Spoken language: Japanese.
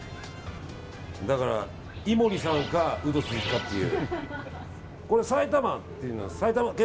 だから、井森さんかウド鈴木かっていう。